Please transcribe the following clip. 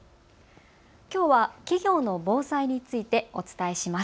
きょうは企業の防災についてお伝えします。